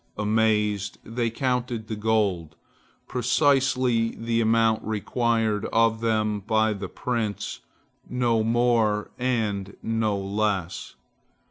Amazed, they counted the gold, precisely the amount required of them by the prince, no more and no less.